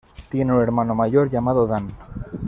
Tiene un hermano mayor llamado Dan.